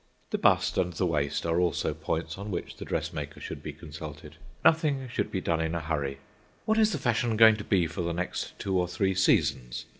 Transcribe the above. The bust and the waist are also points on which the dressmaker should be consulted. Nothing should be done in a hurry. What is the fashion going to be for the next two or three seasons?